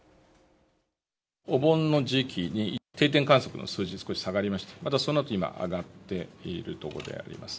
お盆の時期に定点観測の数字が少し下がりまして、またそのあと今、上がっているところであります。